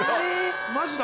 マジだ！